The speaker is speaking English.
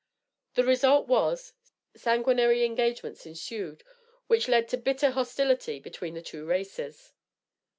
The result was, sanguinary engagements ensued, which led to bitter hostility between the two races.